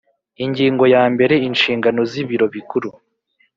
Ingingo yambere Inshingano z Ibiro Bikuru